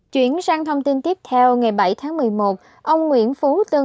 chuyển sang thông tin tiếp theo ngày bảy tháng một mươi một ông nguyễn phú tân